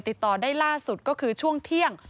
ติดต่อได้ล่าสุดก็คือช่วงเที่ยง